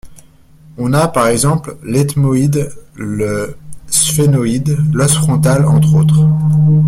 On a par exemple l'éthmoïde, le sphénoïde, l'os frontal entre autres.